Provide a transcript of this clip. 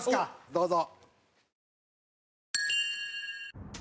どうぞ。